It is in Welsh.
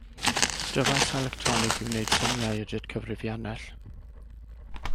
Dyfais electronig i wneud symiau ydy'r cyfrifiannell.